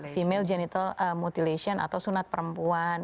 femail genital mutilation atau sunat perempuan